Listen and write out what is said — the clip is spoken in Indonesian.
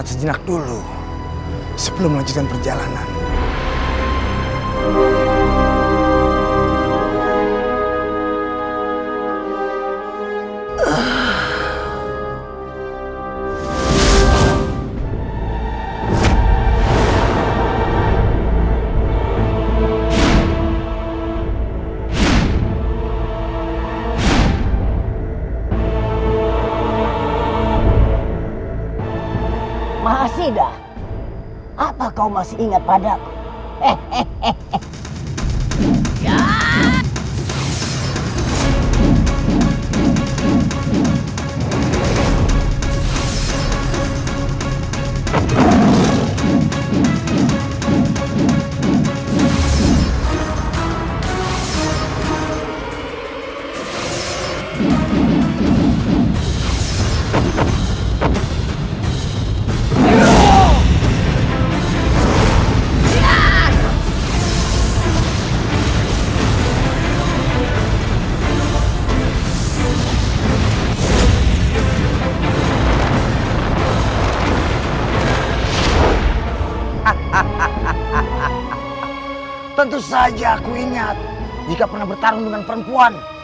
tapi aku mohon kamu jangan berfitiran buruk lagi adikku raka mohon